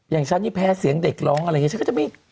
อย่างฉันนี่แพ้เสียงเด็กร้องอะไรอย่างนี้